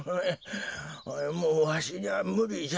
もうわしにはむりじゃ。